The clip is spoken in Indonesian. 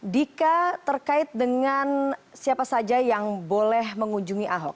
dika terkait dengan siapa saja yang boleh mengunjungi ahok